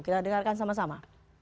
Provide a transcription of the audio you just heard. kita dengarkan sama sama